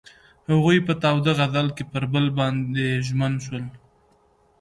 هغوی په تاوده غزل کې پر بل باندې ژمن شول.